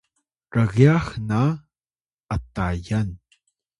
rgyax na Atayan